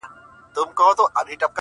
ليلا مجنون.